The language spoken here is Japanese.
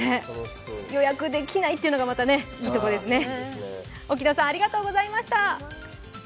予約できないってのがまたいいとこですね。